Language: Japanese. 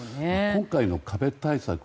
今回の壁対策